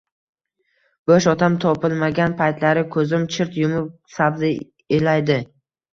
Boʻsh odam topilmagan paytlari koʻzini chirt yumib sabzi elaydi.